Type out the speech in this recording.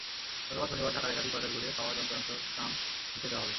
গতকাল শনিবার ঢাকার একাধিক বাজার ঘুরে পাওয়া যন্ত্রাংশের দাম নিচে দেওয়া হলো।